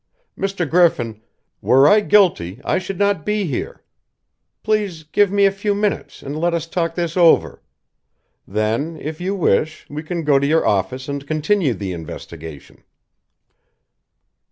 Mr. Griffin, were I guilty I should not be here. Please give me a few minutes, and let us talk this over. Then, if you wish, we can go to your office and continue the investigation."